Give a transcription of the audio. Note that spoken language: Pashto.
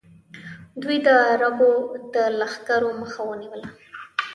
دوی د عربو د لښکرو مخه ونیوله